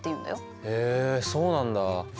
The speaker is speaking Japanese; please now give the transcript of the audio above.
へえそうなんだ。